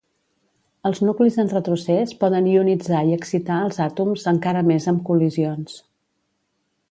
Els nuclis en retrocés poden ionitzar i excitar els àtoms encara més amb col·lisions.